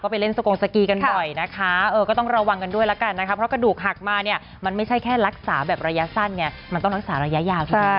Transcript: ไม่มีพี่เป๋าไม่เคยให้ดอกไม้เลย